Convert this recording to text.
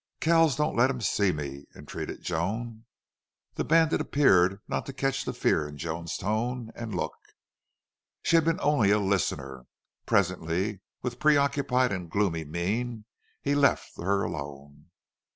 "Kells, don't let him see me!" entreated Joan. The bandit appeared not to catch the fear in Joan's tone and look. She had been only a listener. Presently with preoccupied and gloomy mien, he left her alone.